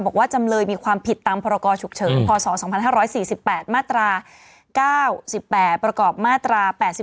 จำเลยมีความผิดตามพรกรฉุกเฉินพศ๒๕๔๘มาตรา๙๘ประกอบมาตรา๘๔